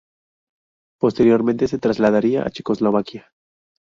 Posteriormente se trasladaría a Checoslovaquia.